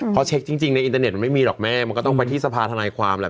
พอเช็คจริงในอินเทอร์เน็ตมันไม่มีหรอกแม่มันก็ต้องไปที่สภาธนายความแหละ